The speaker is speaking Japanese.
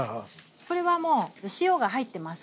これはもう塩が入ってます。